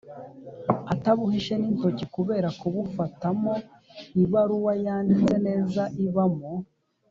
atabuhishe n intoki kubera kubufatamo Ibaruwa yanditse neza ibamo